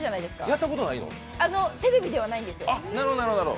やったことテレビではないんですよ。